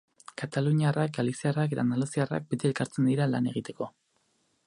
Kataluniarrak, galiziarrak eta andaluziarrak beti elkartzen dira lan egiteko.